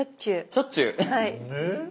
しょっちゅうアハ。